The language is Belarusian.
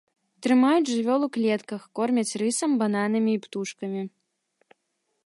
Трымаюць жывёл клетках, кормяць рысам, бананамі і птушкамі.